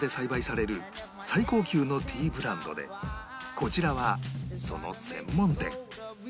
こちらはその専門店